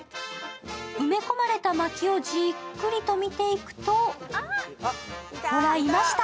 埋め込まれたまきをじっくり見ていくと、ほら、いました。